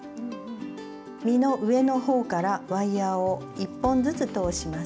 実の上のほうからワイヤーを１本ずつ通します。